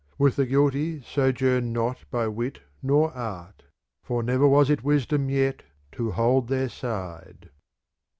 With the guilty sojourn not by wit nor art ; for never was it wisdom yet to hold their side.